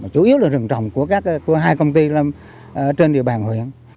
chủ yếu là rừng trồng của hai công ty trên địa bàn huyện